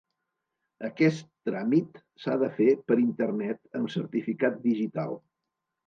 Aquest tràmit s'ha de fer per internet amb certificat digital.